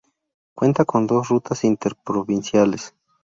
Cuenta con dos rutas interprovinciales.